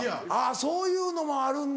そういうのもあるんだ。